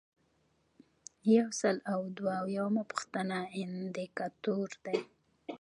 یو سل او دوه اویایمه پوښتنه اندیکاتور دی.